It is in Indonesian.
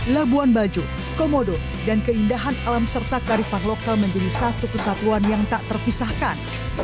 labuan bajo komodo dan keindahan alam serta karifan lokal menjadi satu kesatuan yang tak terpisahkan